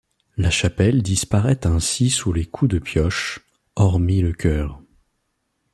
La chapelle disparaît ainsi sous les coups de pioche, hormis le chœur.